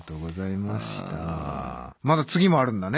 まだ次もあるんだね。